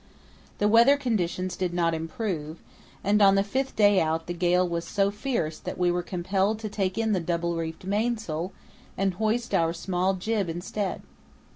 The weather conditions did not improve, and on the fifth day out the gale was so fierce that we were compelled to take in the double reefed mainsail and hoist our small jib instead.